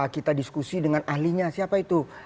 kita diskusi dengan ahlinya siapa itu